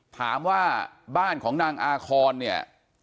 ถามว่าบ้านของนางอาคอนเนี่ย